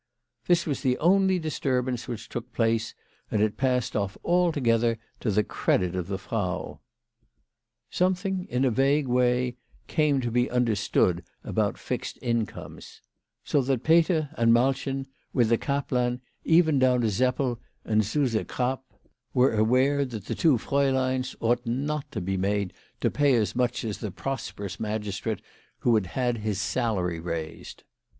This was the only disturbance which took place, and it passed off altogether to the credit of the Frau. Something in a vague way came to be understood about fixed incomes ; so that Peter and Malchen, with the kaplan, even down to Seppel and Suse Krapp, were 100 WHY FRATJ FROHMANN RAISED HER PRICES. aware that the two frauleins ought not to be made to pay as much as the prosperous magistrate who had had his salary raised.